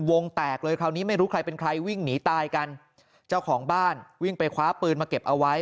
วงแตกเลยคราวนี้ไม่รู้ใครเป็นใครวิ่งหนีตายกันเจ้าของบ้านวิ่งไปคว้าปืนมาเก็บเอาไว้